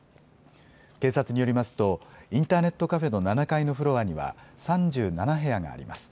警察によりますと、インターネットカフェの７階のフロアには、３７部屋があります。